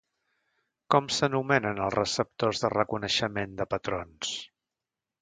Com s'anomenen els receptors de reconeixement de patrons?